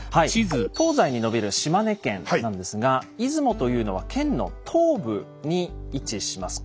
東西に延びる島根県なんですが出雲というのは県の東部に位置します。